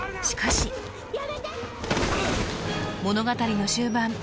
しかし物語の終盤